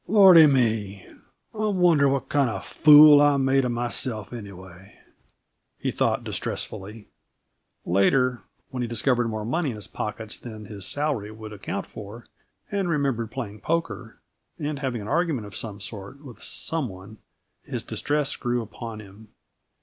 "Lordy me! I wonder what kinda fool I made of myself, anyway!" he thought distressfully. Later, when he discovered more money in his pockets than his salary would account for, and remembered playing poker, and having an argument of some sort with some one, his distress grew upon him.